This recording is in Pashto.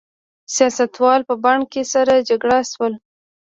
سیاستوال په بن کې سره جرګه شول.